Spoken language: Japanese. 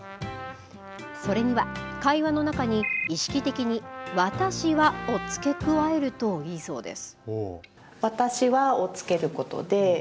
それには、会話の中に意識的に、私はをつけ加えるといいそうです。